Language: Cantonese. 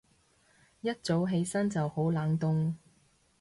一早起身就好冷凍